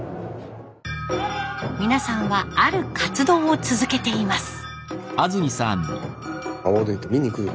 皆さんはある活動を続けています。